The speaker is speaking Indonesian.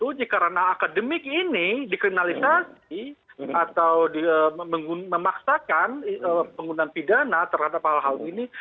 uji karena akademik ini dikriminalisasi atau memaksakan penggunaan pidana terhadap hal hal ini